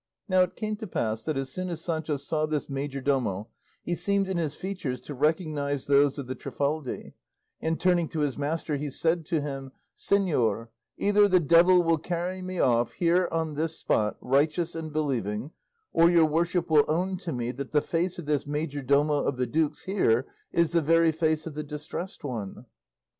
Now it came to pass that as soon as Sancho saw this majordomo he seemed in his features to recognise those of the Trifaldi, and turning to his master, he said to him, "Señor, either the devil will carry me off, here on this spot, righteous and believing, or your worship will own to me that the face of this majordomo of the duke's here is the very face of the Distressed One."